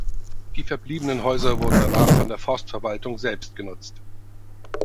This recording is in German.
Die verbliebenen Häuser wurden danach von der Forstverwaltung selbst genutzt.